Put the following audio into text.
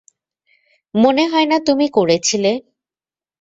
মনে হয় না তুমি করেছিলে।